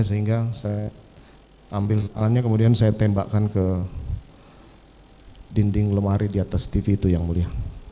sehingga saya ambil alatnya kemudian saya tembakkan ke dinding lemari di atas tv itu yang mulia